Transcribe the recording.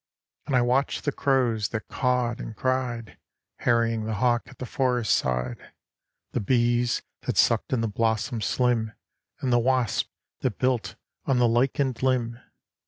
And I watched the crows, that cawed and cried, Harrying the hawk at the forest side; The bees that sucked in the blossoms slim, And the wasps that built on the lichened limb.